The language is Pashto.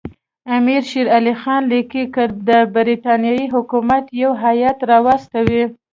امیر شېر علي خان لیکي که د برټانیې حکومت یو هیات راواستوي.